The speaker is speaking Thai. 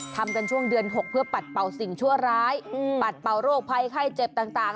ทำกันช่วงเดือน๖เพื่อปัดเป่าสิ่งชั่วร้ายปัดเป่าโรคภัยไข้เจ็บต่าง